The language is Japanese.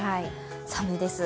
寒いです。